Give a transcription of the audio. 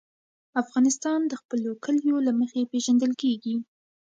افغانستان د خپلو کلیو له مخې پېژندل کېږي.